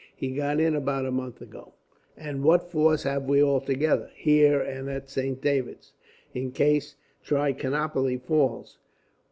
He got in about a month ago." "And what force have we altogether, here and at Saint David's, in case Trichinopoli falls?"